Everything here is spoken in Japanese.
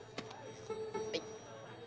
はい。